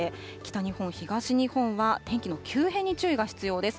北日本、東日本は天気の急変に注意が必要です。